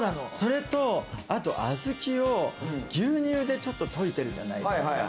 それと小豆を牛乳で溶いてるじゃないですか。